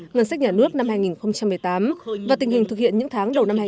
ngân sách nhà nước năm hai nghìn một mươi tám và tình hình thực hiện những tháng đầu năm hai nghìn một mươi